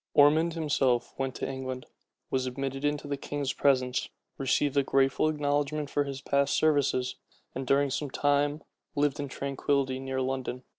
Ormond himself went over to England, was admitted into the king's presence, received a grateful acknowledgment for his past services, and during some time lived in tranquillity near London.